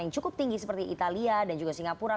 yang cukup tinggi seperti italia dan juga singapura